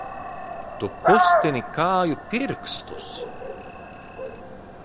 Tu kustini kāju pirkstus!